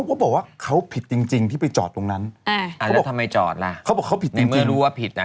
อย่างนี้ก็โดนจับนั่นนะ